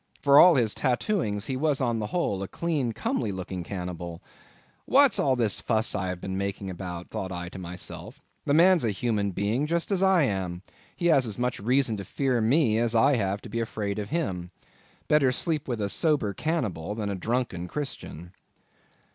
For all his tattooings he was on the whole a clean, comely looking cannibal. What's all this fuss I have been making about, thought I to myself—the man's a human being just as I am: he has just as much reason to fear me, as I have to be afraid of him. Better sleep with a sober cannibal than a drunken Christian.